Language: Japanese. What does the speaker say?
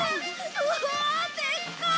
うわあでっかい！